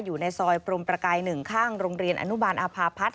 อยู่ในซอยพรมประกาย๑ข้างโรงเรียนอนุบาลอาภาพัฒน